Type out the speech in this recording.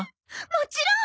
もちろん！